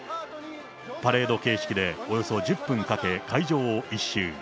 パレード形式でおよそ１０分かけ、会場を１周。